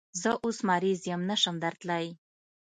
زه اوس مریض یم، نشم درتلای